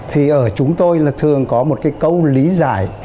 thì ở chúng tôi là thường có một cái câu lý giải